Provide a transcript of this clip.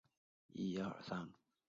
俄亥俄州仅有这一个温彻斯特镇区。